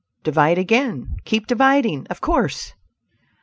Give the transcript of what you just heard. divide again; keep dividing, of course!"